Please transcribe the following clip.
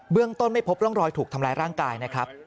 เรื่องต้นไม่พบร่องรอยถูกทำร้ายร่างกายนะครับ